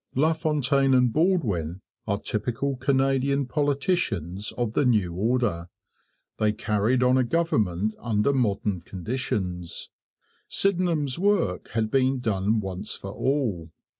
LaFontaine and Baldwin are typical Canadian politicians of the new order. They carried on a government under modern conditions. Sydenham's work had been done once for all.